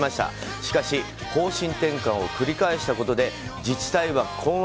しかし、方針転換を繰り返したことで自治体は困惑。